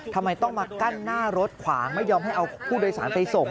ทำไมต้องมากั้นหน้ารถขวางไม่ยอมให้เอาผู้โดยสารไปส่ง